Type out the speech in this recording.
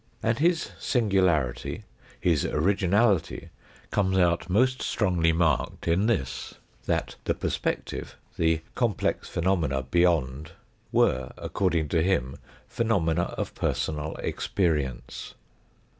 And his singularity, his originality, comes out most strongly marked in this, that the per spective, the complex phenomena beyond were, according to him, phenomena of personal experience.